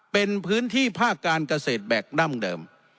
เป็นพื้นที่ภาคการเกษตรแบบดั้งเดิม